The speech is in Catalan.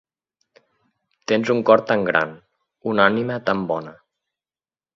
Tens un cor tan gran, una ànima tan bona.